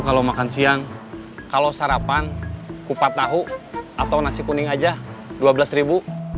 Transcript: kalau makan siang kalau sarapan kupat tahu atau nasi kuning aja rp dua belas ribu